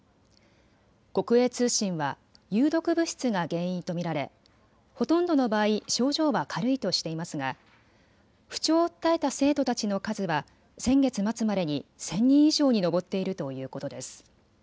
国営通信は有毒物質が原因と見られほとんどの場合、症状は軽いとしていますが不調を訴えた生徒たちの数は先月末までに１０００人以上に上っているということです。